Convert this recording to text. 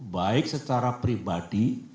baik secara pribadi